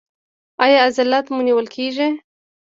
ایا عضلات مو نیول کیږي؟